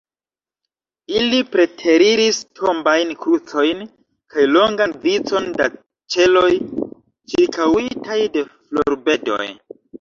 Ili preteriris tombajn krucojn kaj longan vicon da ĉeloj, ĉirkaŭitaj de florbedoj.